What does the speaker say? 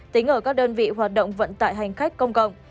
tính ở các đơn vị hoạt động vận tải hành khách công cộng